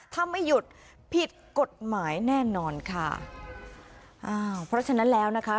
ถ้าไม่หยุดผิดกฎหมายแน่นอนค่ะอ้าวเพราะฉะนั้นแล้วนะคะ